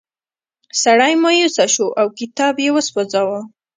سړی مایوسه شو او کتاب یې وسوځاوه.